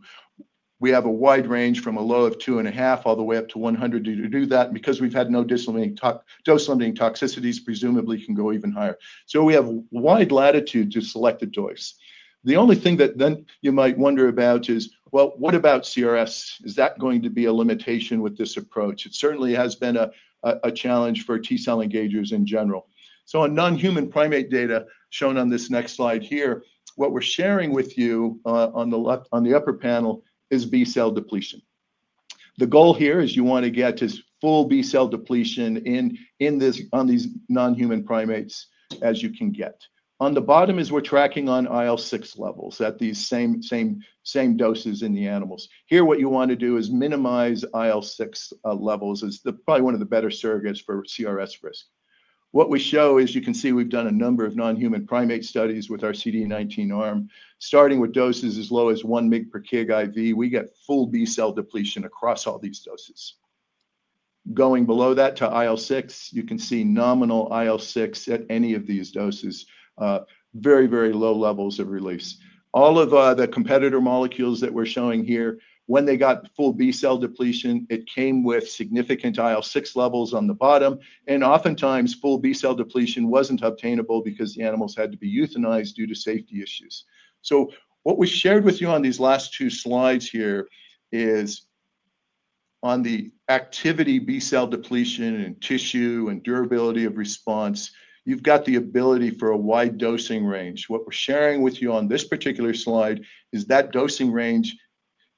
We have a wide range from a low of 2.5 all the way up to 100 to do that because we've had no dose limiting toxicities. Presumably, it can go even higher. We have a wide latitude to select a dose. The only thing that then you might wonder about is, what about CRS? Is that going to be a limitation with this approach? It certainly has been a challenge for T cell engagers in general. On non-human primate data shown on this next slide here, what we're sharing with you on the upper panel is B cell depletion. The goal here is you want to get this full B cell depletion in these non-human primates as you can get. On the bottom, we're tracking IL-6 levels at these same doses in the animals. Here, what you want to do is minimize IL-6 levels as probably one of the better surrogates for CRS risk. What we show is you can see we've done a number of non-human primate studies with our CD19 ARM, starting with doses as low as 1 mg/kg IV. We get full B cell depletion across all these doses. Going below that to IL-6, you can see nominal IL-6 at any of these doses, very, very low levels of release. All of the competitor molecules that we're showing here, when they got full B cell depletion, it came with significant IL-6 levels on the bottom. Oftentimes, full B cell depletion wasn't obtainable because the animals had to be euthanized due to safety issues. What we shared with you on these last two slides here is on the activity, B cell depletion and tissue, and durability of response. You've got the ability for a wide dosing range. What we're sharing with you on this particular slide is that dosing range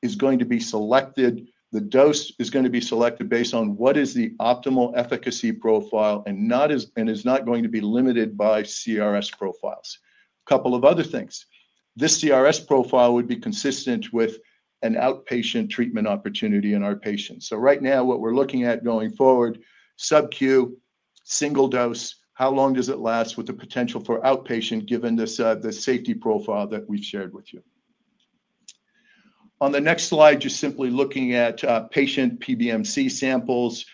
is going to be selected. The dose is going to be selected based on what is the optimal efficacy profile and is not going to be limited by CRS profiles. A couple of other things. This CRS profile would be consistent with an outpatient treatment opportunity in our patients. Right now, what we're looking at going forward, subq, single dose, how long does it last with the potential for outpatient given the safety profile that we've shared with you. On the next slide, just simply looking at patient PBMC samples,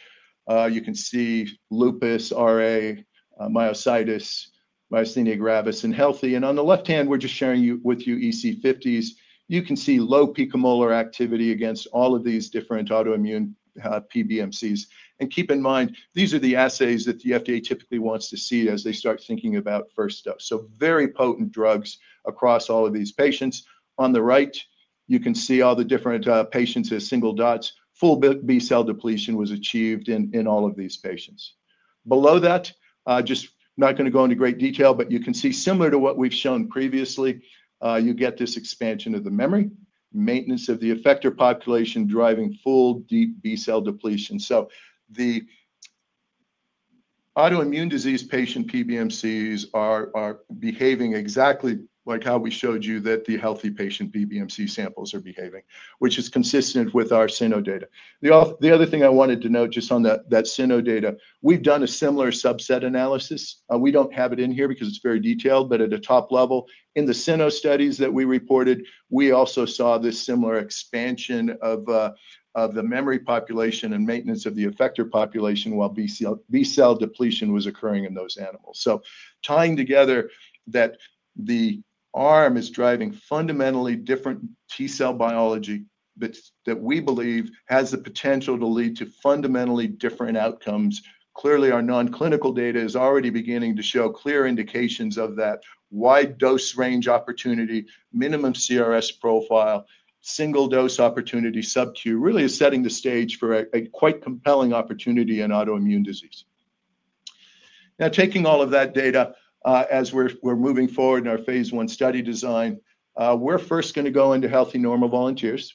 you can see lupus, RA, myositis, myasthenia gravis, and healthy. On the left hand, we're just sharing with you EC50s. You can see low picomolar activity against all of these different autoimmune PBMCs. Keep in mind, these are the assays that the FDA typically wants to see as they start thinking about first dose. Very potent drugs across all of these patients. On the right, you can see all the different patients as single dots. Full B cell depletion was achieved in all of these patients. Below that, I'm just not going to go into great detail, but you can see, similar to what we've shown previously, you get this expansion of the memory, maintenance of the effector population driving full deep B cell depletion. The autoimmune disease patient PBMCs are behaving exactly like how we showed you that the healthy patient PBMC samples are behaving, which is consistent with our cyno data. The other thing I wanted to note just on that cyno data, we've done a similar subset analysis. We don't have it in here because it's very detailed, but at a top level, in the cyno studies that we reported, we also saw this similar expansion of the memory population and maintenance of the effector population while B cell depletion was occurring in those animals. Tying together that the ARM is driving fundamentally different T cell biology that we believe has the potential to lead to fundamentally different outcomes. Clearly, our non-clinical data is already beginning to show clear indications of that wide dose range opportunity, minimum CRS profile, single dose opportunity, subq really is setting the stage for a quite compelling opportunity in autoimmune disease. Now, taking all of that data, as we're moving forward in our phase one study design, we're first going to go into healthy normal volunteers.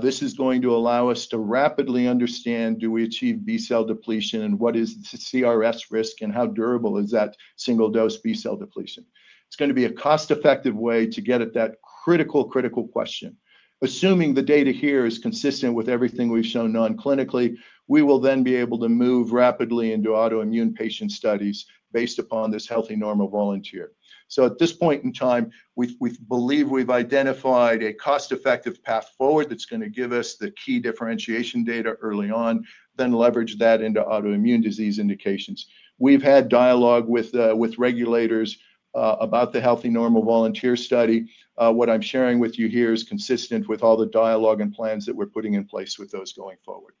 This is going to allow us to rapidly understand, do we achieve B cell depletion and what is the CRS risk and how durable is that single dose B cell depletion? It's going to be a cost-effective way to get at that critical, critical question. Assuming the data here is consistent with everything we've shown non-clinically, we will then be able to move rapidly into autoimmune patient studies based upon this healthy normal volunteer. At this point in time, we believe we've identified a cost-effective path forward that's going to give us the key differentiation data early on, then leverage that into autoimmune disease indications. We've had dialogue with regulators about the healthy normal volunteer study. What I'm sharing with you here is consistent with all the dialogue and plans that we're putting in place with those going forward.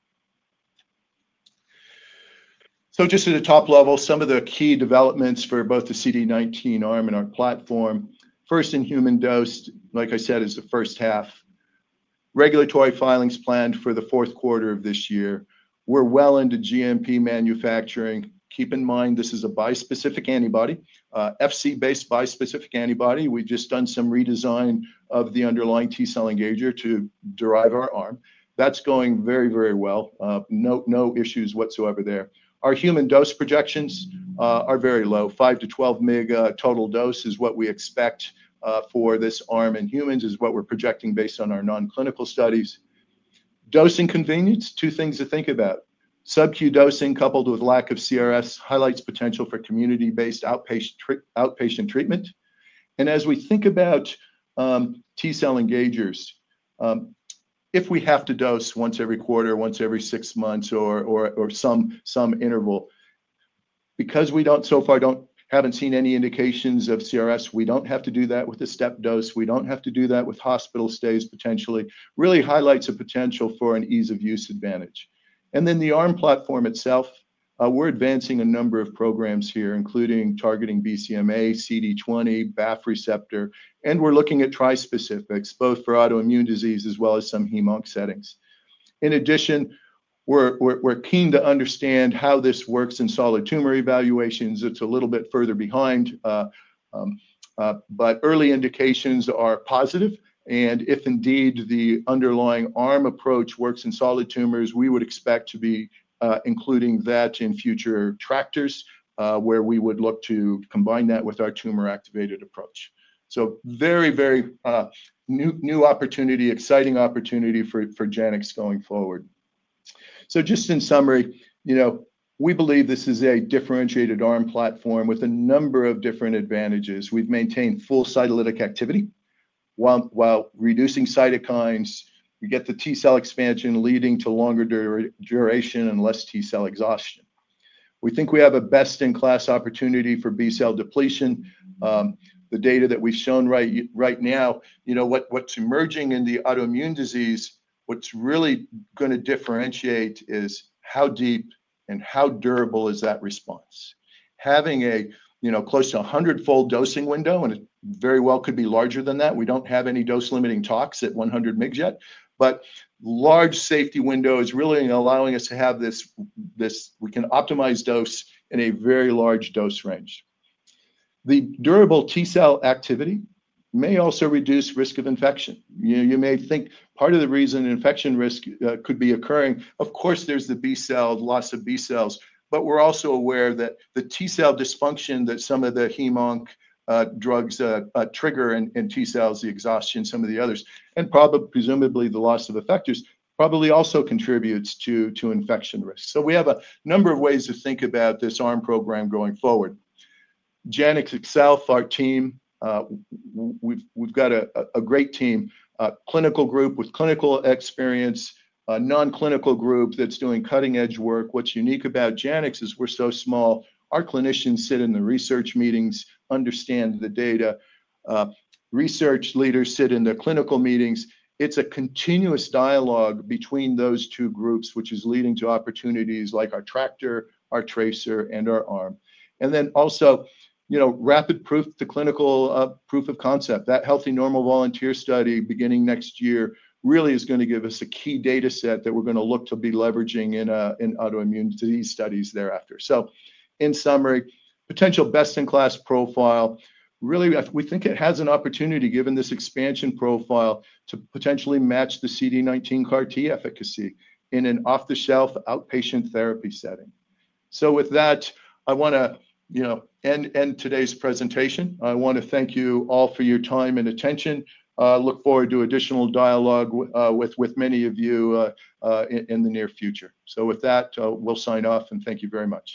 At a top level, some of the key developments for both the CD19 ARM and our platform. First in human dose, like I said, is the first half. Regulatory filings planned for the fourth quarter of this year. We're well into GMP manufacturing. Keep in mind, this is a bispecific antibody, FC-based bispecific antibody. We've just done some redesign of the underlying T cell engager to derive our ARM. That's going very, very well. No issues whatsoever there. Our human dose projections are very low. Five to 12 mg total dose is what we expect for this ARM in humans, is what we're projecting based on our non-clinical studies. Dosing convenience, two things to think about. Subq dosing coupled with lack of CRS highlights potential for community-based outpatient treatment. As we think about T cell engagers, if we have to dose once every quarter, once every six months, or some interval, because we so far haven't seen any indications of CRS, we don't have to do that with a step dose. We don't have to do that with hospital stays potentially. This really highlights a potential for an ease of use advantage. The ARM platform itself, we're advancing a number of programs here, including targeting BCMA, CD20, BAFF receptor. We're looking at trispecifics, both for autoimmune disease as well as some HemOnc settings. In addition, we're keen to understand how this works in solid tumor evaluations. It's a little bit further behind, but early indications are positive. If indeed the underlying ARM approach works in solid tumors, we would expect to be including that in future TRACTrs where we would look to combine that with our tumor-activated approach. Very, very new opportunity, exciting opportunity for Janux going forward. Just in summary, we believe this is a differentiated ARM platform with a number of different advantages. We've maintained full cytolytic activity while reducing cytokines. We get the T cell expansion leading to longer duration and less T cell exhaustion. We think we have a best-in-class opportunity for B cell depletion. The data that we've shown right now, what's emerging in the autoimmune disease, what's really going to differentiate is how deep and how durable is that response. Having a close to 100-fold dosing window, and it very well could be larger than that. We don't have any dose-limiting tox at 100 mg yet, but a large safety window is really allowing us to have this, we can optimize dose in a very large dose range. The durable T cell activity may also reduce risk of infection. You may think part of the reason infection risk could be occurring, of course, there's the B cell loss of B cells, but we're also aware that the T cell dysfunction that some of the HemOnc drugs trigger in T cells, the exhaustion, some of the others, and presumably the loss of effectors probably also contributes to infection risk. We have a number of ways to think about this ARM program going forward. Janux itself, our team, we've got a great team, a clinical group with clinical experience, a non-clinical group that's doing cutting-edge work. What's unique about Janux is we're so small. Our clinicians sit in the research meetings, understand the data. Research leaders sit in the clinical meetings. It's a continuous dialogue between those two groups, which is leading to opportunities like our TRACTr, our TRACIr, and our ARM. Rapid proof, the clinical proof of concept, that healthy normal volunteer study beginning next year really is going to give us a key data set that we're going to look to be leveraging in autoimmune disease studies thereafter. In summary, potential best-in-class profile, really, we think it has an opportunity, given this expansion profile, to potentially match the CD19 CAR-T efficacy in an off-the-shelf outpatient therapy setting. With that, I want to end today's presentation. I want to thank you all for your time and attention. I look forward to additional dialogue with many of you in the near future. With that, we'll sign off and thank you very much.